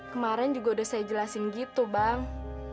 kemarin juga udah saya jelasin gitu bang